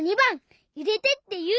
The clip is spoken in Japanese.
「いれて」っていう！